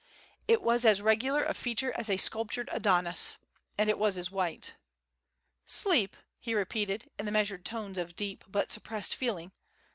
It was as regular of feature as a sculptured Adonis, and it was as white. "Sleep!" he repeated, in the measured tones of deep but suppressed feeling.